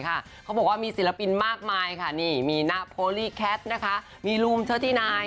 เขาบอกว่ามีศิลปินมากมายมีนะโพลิแคทมีลูมเทอร์ตี้นาย